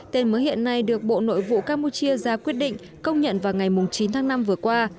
tên mới hiện nay được bộ nội vụ campuchia ra quyết định công nhận vào ngày chín tháng năm vừa qua